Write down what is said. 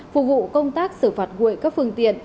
phục vụ công tác xử phạt nguội các phương tiện